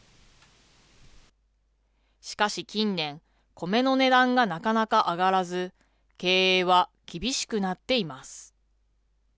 しかし近年、コメの値段がなかなか上がらず、経営は厳しくなっています。